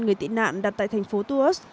người tị nạn đặt tại thành phố tours